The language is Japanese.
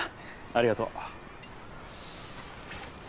ありがとう。